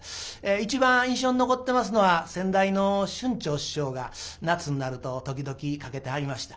一番印象に残ってますのは先代の春蝶師匠が夏になると時々かけてはりました。